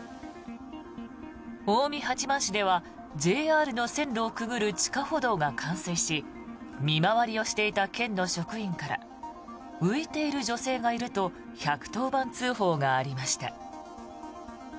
近江八幡市ではＪＲの線路をくぐる地下歩道が冠水し見回りをしていた県の職員から浮いている女性がいると１１０番通報がありました。